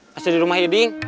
masih di rumah iding